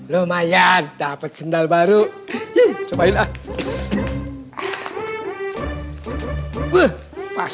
lumayan dapet sendal baru coba